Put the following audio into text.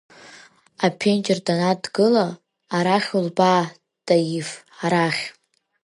Аԥенџьыр даннадгыла, Арахь улбаа, Таиф, арахь!